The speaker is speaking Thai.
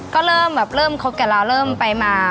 ก็เริ่มแบบเริ่มคบกับเราเริ่มไปมา